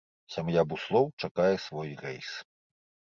Сям'я буслоў чакае свой рэйс.